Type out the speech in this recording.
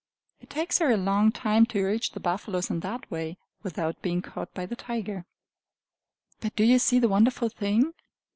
It takes her a long time to reach the buffaloes in that way, without being caught by the tiger. But do you see the wonderful thing?